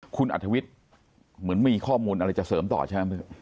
คุณอัธวิทย์เหมือนมีข้อมูลอะไรจะเสริมต่อใช่ไหม